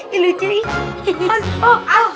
ya allah kenapa ini banget